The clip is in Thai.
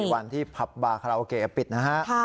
วันที่ผับบาคาราโอเกะปิดนะฮะ